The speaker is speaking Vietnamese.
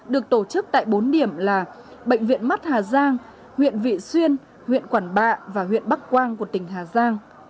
được tổ chức tại bốn điểm là bệnh viện mắt hà giang huyện vị xuyên huyện quản bạ và huyện bắc quang của tỉnh hà giang